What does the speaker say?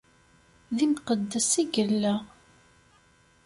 D imqeddes i yella!